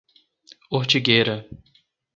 Ortigueira